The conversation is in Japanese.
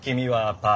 パー。